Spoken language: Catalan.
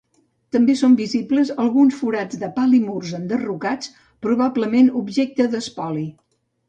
També són visibles alguns forats de pal i murs enderrocats, probablement objecte d'espoli.